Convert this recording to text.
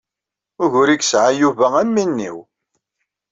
Ugur i yesɛa Yuba am win-iw.